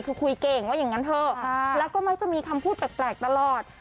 คือคุยเก่งว่าอย่างนั้นเถอะแล้วก็มักจะมีคำพูดแปลกตลอด